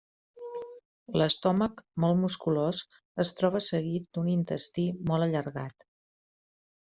L'estómac, molt musculós, es troba seguit d'un intestí molt allargat.